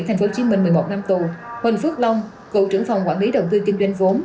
tp hcm một mươi một năm tù huỳnh phước long cựu trưởng phòng quản lý đầu tư kinh doanh vốn